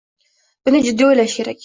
Buni jiddiy o‘ylash kerak.